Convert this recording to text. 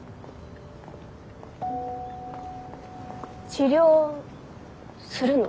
治療するの？